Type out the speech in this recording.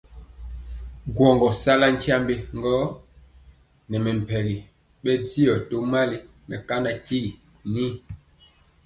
Ŋgɔɔgɔ sala tyiambe gɔ nɛ mɛmpegi bɛndiɔ tomali mɛkana tyigui y.